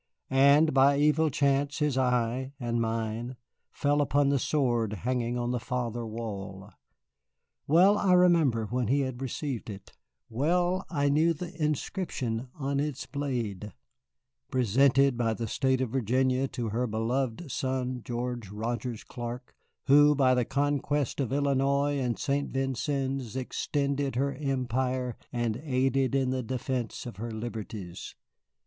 And by evil chance his eye, and mine, fell upon a sword hanging on the farther wall. Well I remembered when he had received it, well I knew the inscription on its blade, "Presented by the State of Virginia to her beloved son, George Rogers Clark, who by the conquest of Illinois and St. Vincennes extended her empire and aided in the defence of her liberties."